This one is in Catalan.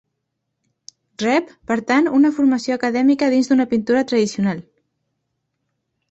Rep, per tant, una formació acadèmica dins d’una pintura tradicional.